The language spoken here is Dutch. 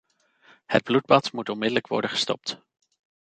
Het bloedbad moet onmiddellijk worden gestopt.